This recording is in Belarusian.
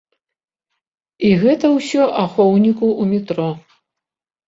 І гэта ўсё ахоўніку ў метро!